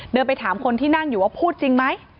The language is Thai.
ไปถามคนที่นั่งอยู่ว่าพูดจริงไหม